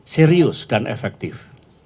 serius dan efektif